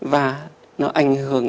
và nó ảnh hưởng